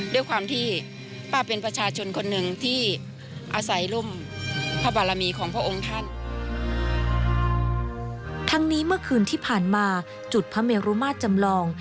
ด้วยความที่ป้าเป็นประชาชนคนนึงที่อาศัยรุ่มพระบรรมีของพระองค์ท่าน